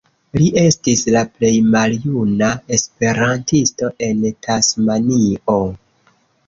Li estis la plej maljuna esperantisto en Tasmanio.